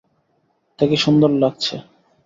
তেকে সুন্দর লাগছে।